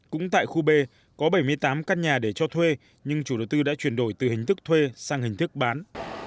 cũng tại khu b có bảy mươi tám căn nhà để cho thuê nhưng chủ đầu tư đã chuyển đổi từ hình thức thuê sang hình thức bán